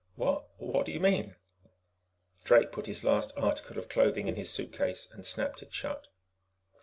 "Wha what do you mean?" Drake put his last article of clothing in his suitcase and snapped it shut.